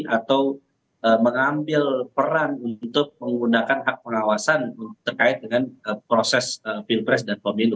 atau mengambil peran untuk menggunakan hak pengawasan terkait dengan proses pilpres dan pemilu